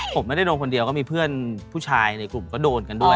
ผมไม่ได้โดนคนเดียวก็มีเพื่อนผู้ชายในกลุ่มก็โดนกันด้วย